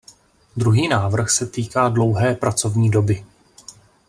Druhý návrh se týká dlouhé pracovní doby.